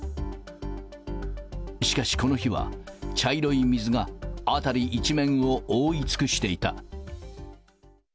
しかしこの日は、茶色い水が辺り一面を覆い尽くしていた。